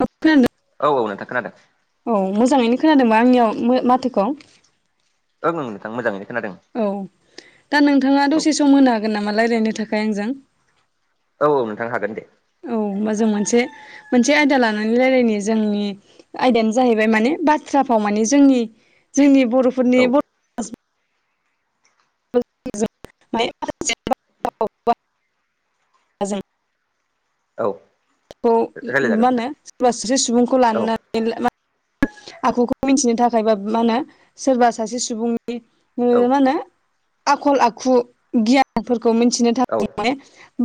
ओ खोनादों ना? औ औ नोंथां खोनादों। औ मोजाङैनो खोनादोंबा आंनियाव माथोखौ? ओं नोंथां मोजाङै खोनादों। औ दा नोंथाङा औ दसे सम होनो हागोन नामा रायजलायनो थाखाय आंजों? औ औ नोंथां हागोन दे। औ होमबा जों मोनसे मोनसे आयदा लानानै राय्लायनि जों आयदायानो जाहैबाय माने बाथ्रा फाव माने जोंनि जोंनि बर'फोरनि औ [unintelligible] औ [unintelligible] खौ रायलायजागोन मा नोंथां होनो सोरबा स्रि सुबुंखौ औ लानो [unintelligible] आखुखौ मिथिनो थाखायबा मा होनो सोरबा सासे सुबुं औ ओ मा होनो आखल आखु गियानफोरखौ मिथिनो औ [unintelligible] माने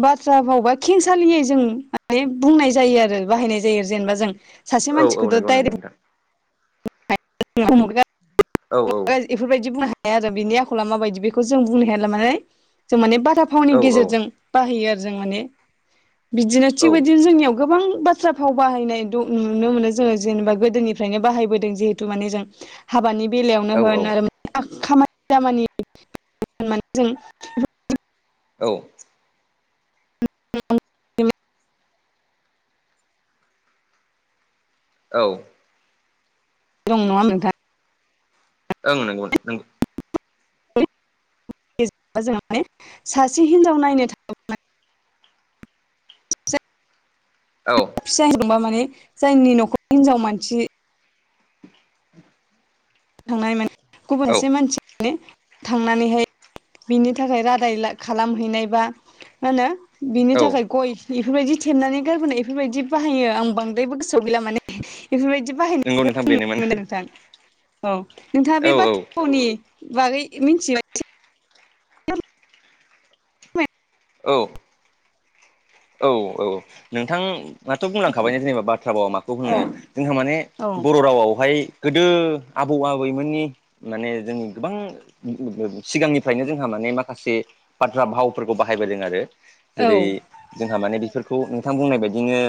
बाथ्रा फावबा खेंसालियै जों ओमफायो बुंनाय जायो आरो बाहायनाय जायो जेनेबा जों सासे औ मानसिखौथ' नंगौ नंगौ डाइरेक्ट नोंथां [unintelligible] औ औ बेफोरबायदि बुंनो हाया आरो बेनि आखला माबायदि बेखौ जों बुंनो हाया माने जों माने बाथा फावनि औ औ गेजेरजों बाहायो आरो जों माने बिदिनो थिगबायदिनो जोंनियाव गोबां बाथ्रा फाव बाहायनाय नुनो मोनो जोङो जेनेबा गोदोनिफ्रायनो बाहायबोदों जिहेतु माने जों हाबानि बेलायावनो होन औ आरो खामानि दामानि होन माने जों औ [unintelligible] औ दं नङा होमबा नोंथां ओं नंगौ नोंथां [unintelligible] जों माने सासे हिनजाव नायनो थांयोब्ला औ फिसा हिनजावबा माने जायनि न'खर हिनजाव मानसि थांनाय माने गुबुन औ सासे मानसि माने थांनानैहाय बिनि थाखाय रादाय खालामहैनाय बा होनो बिनि औ थाखाय गय इफोरबायदि थेबनानै गारबोनाय इफोरबायदि बाहायो आं बांद्रायबो गोसोआव गैला माने बेफोरबायदि नंगौ बाहायनाय नोंथां नुनो बेनोमोन मोनो नोंथां औ नोंथाङा औ बे बाथ्रा औ फावनि बागै मिथिबाय औ औ औ नोंथां दाथ' बुंलांखाबाय जेनेबा बाथ्रा फावा माखौ बुङो औ जोंहा माने औ बर' रावावहाय गोदो आबौ आबैमोननि माने जोंनि गोबां सिगांनिफ्रायनो जोंहा माने माखासे बाथ्रा भावफोरखौ बाहायबोदों आरो औ जेरै जोंहा माने बेफोरखौ नोंथां बुंनाय बायदिनो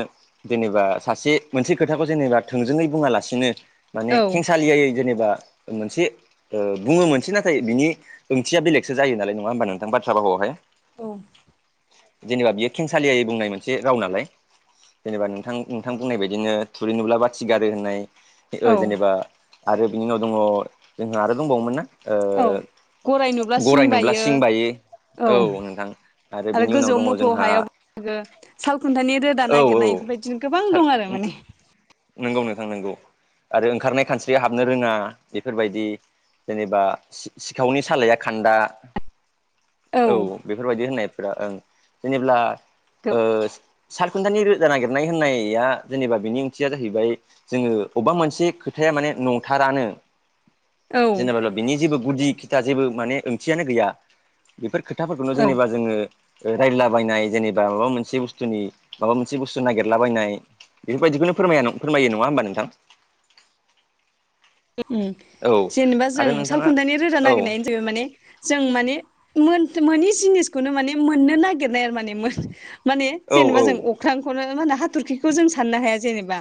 जेनेबा सासे मोनसे खोथाखौ जेनेबा थोंजोङै बुङालासिनो माने औ खेंसालियायै जेनेबा मोनसे ओ बुङो मोनसै नाथाय बिनि ओंथिया बेलेगसो जायो नालाय नङा होमबा नोंथां बाथ्रा फावावहाय औ जेनेबा बियो खेंसालियायै बुंनाय मोनसे राव नालाय जेनेबा नोंथां नोंथां बुंनाय बायदिनो थुरि नुब्ला बाथि गारो होननाय ओ औ जेनेबा आरो बिनि उनाव दङ जोंहा आरो दंबावोमोन ना औ गराय नुब्ला ओ सिं गराय नुब्ला सिं बायो औ नोंथां आरो बेनि उनाव दङ जोंहा ओ सालखुन्थानि रोदा औ औ नागिरनाय बेफोरबायदिनो गोबां दं आरो माने नोंगौ नोंथां नोंगौ आरो ओंखारनाय खानस्रिया हाबनो रोङा बेफोरबायदि जेनेबा सिखावनि सालाया खान्दा औ बेफोरबायदि होननायफोरा ओं जेनेब्ला ओ सालखुन्थानि रोदा नागिरनाय होननाया जेनेबा बिनि थियानो जाहैबाय जोङो अबेबा मोनसे खोथाया माने नंथारानो औ जेनेबाल' बिनि जेबो गुदि खिथा जेबो माने ओंथियानो गैया। बेफोर खोथाफोरखौनो औ जेनेबा जोङो रायलाबायनाय जेनेबा माबा मोनसे बुस्थुनि माबा मोनसे बुस्थु नागिरला बायनाय बेफोरबायदिखौनो फोरमाया फोरमायो नङा होमबा नोंथां? ओम औ जेनेबा जों आरो नोंथाङा सालखुन्थानि रोदा औ नागिरनायानो जाहैबाय माने जों माने मोन मोनै जिनिसखौनो माने मोननो नागिरनाय आरो माने मोन माने औ जेनेबा औ जों अख्रांखौनो मा होनो हाथरखिखौ जों साननो हाया जेनेबा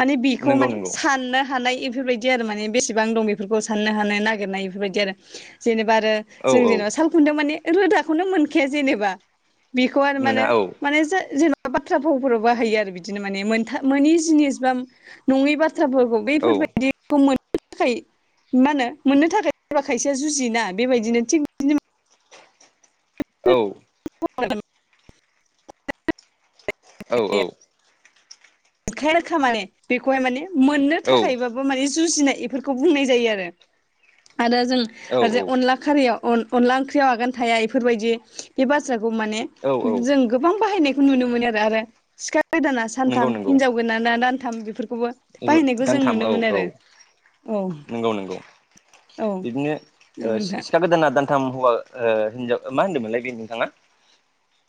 माने बेखौ नंगौ माने नंगौ साननो हानाय बेफोरबायदि आरो माने बेसेबां दं बेफोरखौ साननो हानाय नागिरनाय इफोरबायदि आरो जेननोबा आरो औ जों औ जेनबा सा ल खुंथायाव माने रोदाखौनो मोनखाया जेनेबा बेखौ आरो मोना मानो औ माने जा जेन बाथ्रा फावफोराव बाहायो आरो बिदिनो माने मोनथा मोनै जिनिस बा नङि बाथ्राफोरखौ औ बेफोरबायदि मोननो थाखाय मा होनो मोननो थाखाय सोरबा खायसेया जुजियोना बेबायदिनो थिग बिदिनो औ [unintelligible] औ-औ [unintelligible] माने बेखौहाय माने मोननो औ औ थाखाय बाबो इफोरखौ माने जुजिनाय इफोरखौ बुंनाय जायो आरो। आरो जों औ ओरैजा अनला खारियाव अन अनला ओंख्रियाव आगान थाया इफोरबायदि बे बाथ्राखौ माने औ औ जों गोबां बाहायनायखौ नुनो मोनो आरो सिखा गोदाना नंगौ सानथाम नंगौ हिनजाव गोदाना दानथाम बेफोरखौ खौबो बाहायनायबो जों दानथाम नुनो औ मोनो आरो। औ औ नंगौ नंगौ औ बिदिनो ओ नोंथां सिखा गोदाना दान- थाम हौवा ओ हिजाव मा होनदोंमोनलाय बे नोंथाङा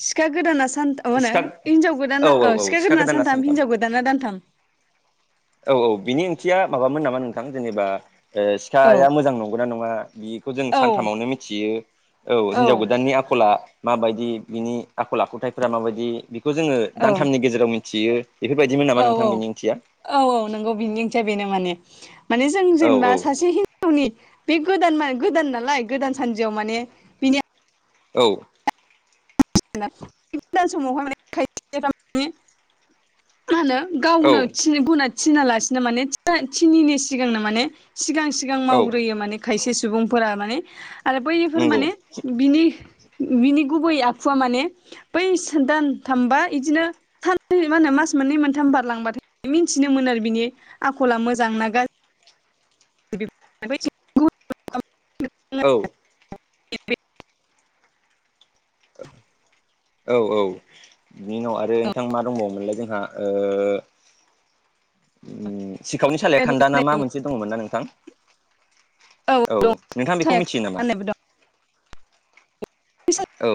सिखा गोदाना सानथा मा होनो सिखा हिनजाव गोदाना अ सिखा गोदाना सानथाम हिनजाव गोदाना दानथाम औ-औ बिनि ओंथिया माबामोन नामा नोंथां जेनेबा औ सिखाया मोजां नंगौना नङा बेखौ जों औ सानथामावनो मिथियो औ औ हिन्जाव गोदाननि आखला माबायदि बिनि आखल आखुथायफोरा माबायदि बेखौ जोङो औ दानथामनि गेजेराव मिथियो। बेफोरबायदिमोन औ नामा नोंथां बेनि ओंथिया औ औ नंगौ बेनि ओंथिया बेनो माने माने जों औ जेनेबा औ सासे हिन- [unintelligible] बे गोदान मान गोदान नालाय गोदान सानदियाव माने बिनि औ गोदान समावहाय माने [unintelligible] मा होनो गावनो औ गुना थिना लासिनो माने थिनिनि सिगांनो माने सिगां सिगां औ मावग्रोयो माने खायसे सुबुंफोरा माने आरो बैफोर नंगौ माने बिनि बिनि गुबै आ- -खुवा माने बै दानथामबा बिदिनो साननै मा होनो मास मोननै मोनथाम बारलांबाथाय मिथिनो मोनो आरो बिनि आखला मोजांना गा- [unintelligible] औ [inaudible] औ औ बिनि उनाव आरो नोंथां मा दंबावोमोनलाय जोंहा ओ सिखावनि सालाया खान्दा ना मा मोनसे दङ'मोन ना नोंथां औ नोंथाङा साया बेखौ मिथियो नामा? गाननायबो दं औ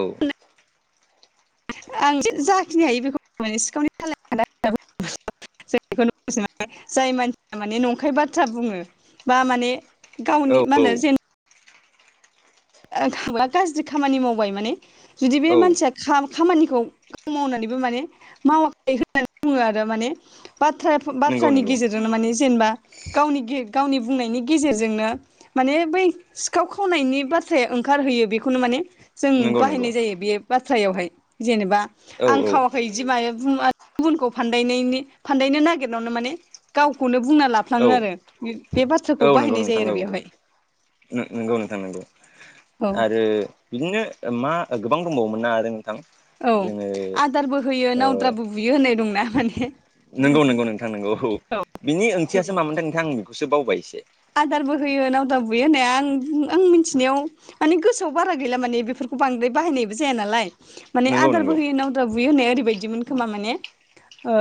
आं एसे जाखिनि हायो बेखौ सिखावनि सालाया खानदा होननाया [unintelligible] जों बेखौ जाय मानसिया माने नंखाय बाथ्रा बुङो बा माने गावनि औ मा होनो औ जेन'बा थाब्ला गाज्रि खामानि मावबाय माने जुदि बे औ मानसिया खामानिखौ मावनानैबो माने मावाखै होननानै बुङो आरो माने बाथ्रा नंगौ बाथ्रानि नंगौ गेजेरजोंनो मानि जेनेबा गावनि गावनि बुंनायनि गेजेरजोंनो माने बै सिखाव खावनायनि बाथ्रा बाथ्राया ओंखारहोयो बेखौनो माने जों नंगौ नंगौ बाहायनाय जायो बे बाथ्रायावहाय जेनेबा औ आं खावाखै बिदि माने गुबुनखौ फानदायनायनि फानदायनो नागिरनायावनो माने गावखौनो बुंना ला- औ फ्लाङो आरो बे बाथ्राखौ बाहायनाय जायो आरो बेवावहाय नोंगौ नोथां नोंगौ औ आरो बिदिनो मा गोबां दंबावोमोन ना आरो नोंथां औ जोङो आदारबो होयो ओ नावद्राबो बुयो होननाय दंना माने नंगौ नंगौ नोंथां नंगौ औ बिनि ओंथियासो मामोनथाय नोंथां आं बेखौसो बावबाय एसे आदारबो होयो नावद्राबो बुयो होननाया आं बु आं मिथिनायाव माने गोसोआव बारा गैला माने बेफोरखौ बांद्राय बाहायनायबो जाया नालाय माने नंगौ नंगौ आदारबो होयो‌ नाव द्राबो बुयो होननाया ओरैबायदिमोन खोमा माने ओ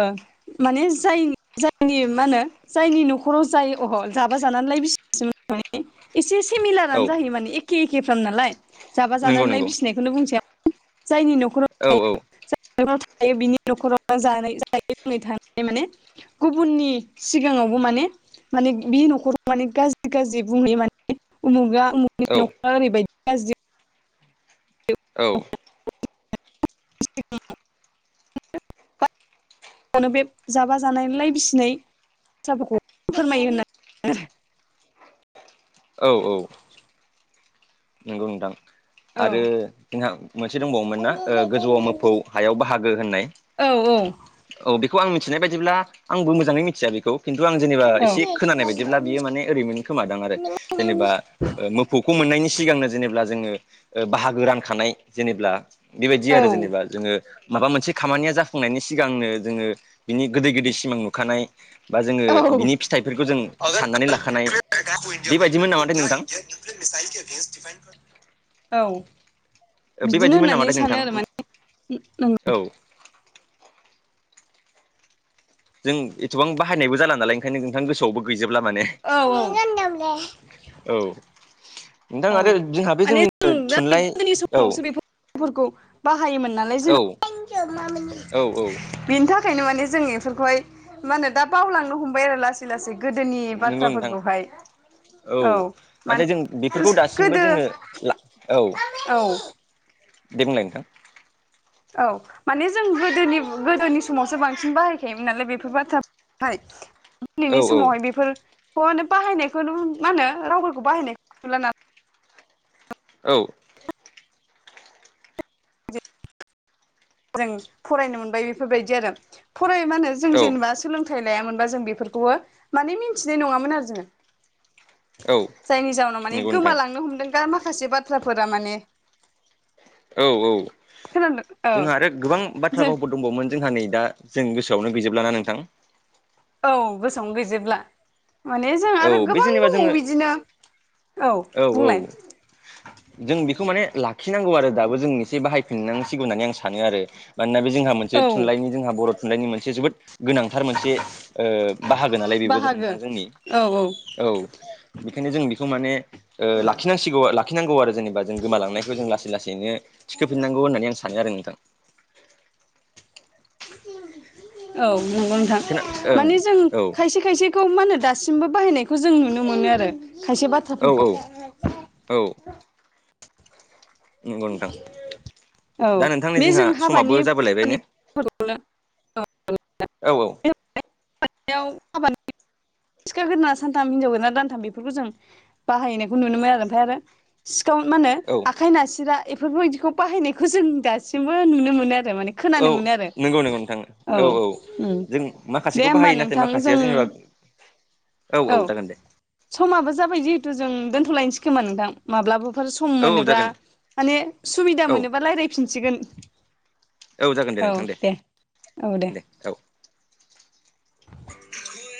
माने जाय जायनि मा होनो जायनि न'खराव जाय अह जा बा जानानै लाय बिसिनायसोमोन माने एसे औ सेमिलारानो जाहैयो माने एखे एखेफ्राम नालाय जाबा नंगौ जानानै लाय नंगौ बिसिनायखौनो बुंनोसै आं जायनि न'ख औ औ जायनि नखराव थायो बिनि न'खरावनो जायै लोङै थानानै माने गुबुननि सिगाङावबो माने माने बे न'खरखौ माने गाज्रि गाज्रि बुंहैयो माने उमुगा उमुनि औ न'खरा ओरैबायदि गाज्रिनो औ [unintelligible] [inaudible] नो बे जाबा जानानै लाय बिसिनाय बाथ्राफोरखौ फोरमायो होननानै आरो औ औ नंगौ नोंथां आरो औ जोंहा मोनसे दंबावोमोनना गोजौआव मोफौ हायाव बाहागो होननाय औ औ बेखौ आं मिथिनाय बायदिब्ला आंबो मोजाङै मिथिया बेखौ खिन्थु आं जेनेबा एसे खोनानाय बायदिब्ला बियो माने ओरैमोन खोमादों आरो जेनेबा ओ मोफौखौ मोननायनि सिगांनो जेनेबब्ला जोङो बाहागो रानखानाय जेनेबब्ला बेबायदि आरो औ जेनेबा जोङो माबा मोनसे खामानिया जाफुंनायनि सिगांनो जोङो बिनि गोदै गोदै सिमां नुखानाय बा जोङो औ बिनि फिथाइफोरखौ जों साननानै लाखानाय बेबायदिमोन नामाथाय नोंथां [unintelligible] औ बिदिनो बेबायदिमोन होननानै नामाथाय सानो नोंथां आरो माने [unintelligible] औ जों एथबां बाहायनायबो जाला नालाय ओंखायनो नोंथां गोसआवबो गैजोबला माने औ औ औ नोंथां आरो औ जोंहा बे माने जोंनि थुनलाइ औ फोरखौ बाहायोमोन नालाय जों औ औ औ बेनि थाखायनो माने जों बेफोरखौहाय मा होनो दा बावलांनो हमबाय आरो लासै लासै गोदोनि नंगौ नोंथां बाथ्राफोरखौहाय औ माने नाथाय जों बेफोरखौ दासिमबो गोदो जोङो ला औ औ दे बुंलय नोंथां औ माने जों गोदोनि गोदोनि समावसो बांसिन बाहायखायोमोन नालाय बेफोर बाथ्रा खौहाय औ दिनैनि औ समावहाय बेफोरखौ माने बाहायनायखौ मा होनो रावफोरखौ बाहायनायखौ नुला ना औ जों फरायनो मोनबाय बेफोरबायदि आरो फराय मा होनो जों औ जेनेबा सोलों थाइ लायामोनबा जों बेफोरखौबो माने मिथिनाय नङामोन आरो जोङो औ जायनि जावनाव माने नंगौ नोंथां गोमालांनो हमदों गा माखासे बाथ्राफोरा माने औ औ खोनादों औ जोंहा आरो गोबां बाथ्रा जों भावफो दंबावोमोन जोंहा नै दा जों गोसोआवनो गैजोबलाना नोंथां औ गोसोआवनो गैजोबला माने जोंहा औ आरो बे गोबां जेनेबा दंबावो जोङो बिदिनो औ बुंलाय जों बेखौ माने लाखिनांगौ आरो दाबो जों एसे बाहायफिननांसिगौ होननानै आं सानो आरो मानोना बे जोंहा औ मोनसे थुनलाइनि जोंहा बर' थुनलाइनि मोनसे जोबोद गोनांथार मोनसे ओ बाहागो नालाय बेबो बाहागो नोंथां जोंनि औ औ औ बेखायनो जों बेखौ ओ माने लाखिनांसिगौ लाखिनांगौ आरो जेनेबा जों गोमालांनायखौ जों लासै लासैनो थिखोफिनांगौ होननानै आं सानो आरो नोंथां औ नंगौ नोंथां खोना ओं माने जों खायसे खायसे खौ मा होनो दासिमबो बाहायनायखौ जों नुनो मोनो आरो खायसे औ बाथ्राफोरखौ। औ। नंगौ नोंथां औ दा नोंथांनि बे जोंहा जों हाबानि समाबो जाबोलायबाय ने? औ औ [unintelligible] सिखा गोोरदा सानथाम हिनजाव गोदाना दानथाम बेफोरखौ जों बाहायनायखौ नुनो मोनो आरो ओमफ्राय आरो। सिखाव मा होनो औ आखाइ नासिरा। बेफोरबायदिखौ बाहायनायखौ जों दासिमबो नुनो मोनो आरो माने। औ खोनानो मोनो आरो नंगौ नंगौ नोंथां औ औ। उम जों दे माखासेखौ होमबा बाहायो नाथाय नोंथां माखासेया जों जेनेबा औ औ जागोन दे। समाबो जाबाय जिहेतु जों दोन्थ'लायनोसै खोमा नोंथां माब्लाबा बे सम औ औ मोनोब्ला जागोन माने सुबिदा औ मोनोबा रायज्लायफिनसिगोन। औ जागोन दे नोंथां दे दे औ। [inaudible]